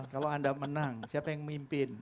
kalau anda menang siapa yang memimpin